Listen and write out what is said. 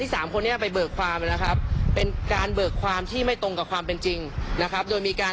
ซื้อล็อตเตอรี่ไว้วันที่๓๑นะครับ